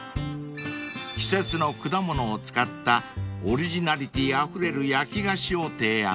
［季節の果物を使ったオリジナリティーあふれる焼き菓子を提案］